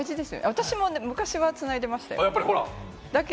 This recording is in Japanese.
私も昔はつないでましたよ。